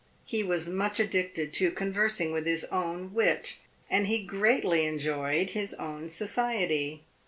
He was much addicted to conversing with his own wit, and he greatly enjoyed his own society.